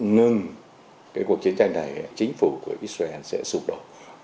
ngừng cái cuộc chiến tranh này chính phủ của israel sẽ sụp đổ